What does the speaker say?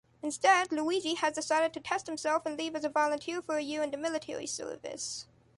Instead Luigi has decided to test himself and leave as a volunteer for a year in the Military service.